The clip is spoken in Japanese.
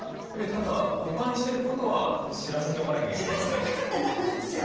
それただ保管してることは知らせておかなきゃいけないですよね？